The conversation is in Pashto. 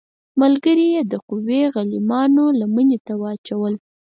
ملګري یې د قوي غلیمانو لمنې ته واچول.